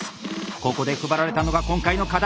ここで配られたのが今回の課題。